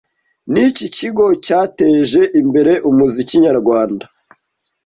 Niki kigo cyateje imbere umuziki nyarwanda